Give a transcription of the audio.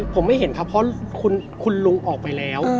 ผมไม่เห็นครับเพราะคุณลุงออกไปแล้ว